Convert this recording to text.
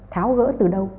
tháo gỡ từ đâu